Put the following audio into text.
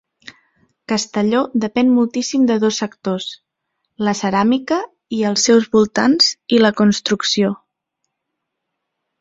Castelló depèn moltíssim de dos sectors: la ceràmica i els seus voltants i la construcció.